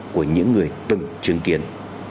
của những người từng chứng kiến